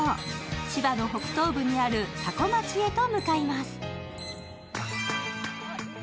千葉も北東部にある多古町へと向かいます。